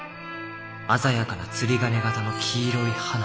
鮮やかな釣り鐘形の黄色い花。